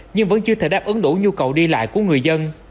nhưng vẫn chưa thể đáp ứng đủ nhu cầu đi lại của người dân